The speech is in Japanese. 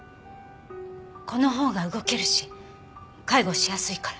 このほうが動けるし介護しやすいから。